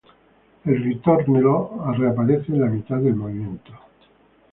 El "ritornello" reaparece en la mitad del movimiento.